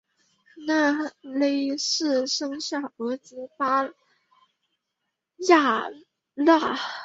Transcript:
纳喇氏生下儿子巴雅喇。